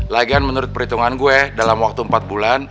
lagian menurut perhitungan gue dalam waktu empat bulan